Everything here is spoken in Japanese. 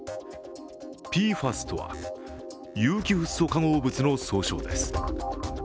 ＰＦＡＳとは有機フッ素化合物の総称です。